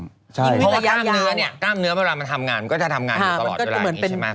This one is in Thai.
เพราะว่ากล้ามเนื้อเมื่อเรามาทำงานก็จะทำงานอยู่ตลอดอยู่ร้ายนี้ใช่ไหม